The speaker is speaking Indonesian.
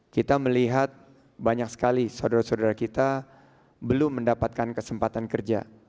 kita melihat banyak sekali saudara saudara kita belum mendapatkan kesempatan kerja